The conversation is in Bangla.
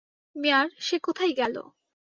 মেয়ার, সে কোথায় গেল?